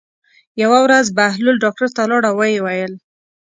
یوه ورځ بهلول ډاکټر ته لاړ او ویې ویل.